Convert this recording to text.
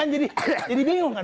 jadi bingung kan pak